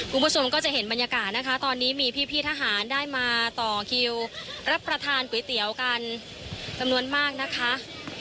คุณผู้ชมก็จะเห็นบรรยากาศนะคะตอนนี้มีพี่ทหารได้มาต่อคิวรับประทานก๋วยเตี๋ยวกันจำนวนมากนะคะ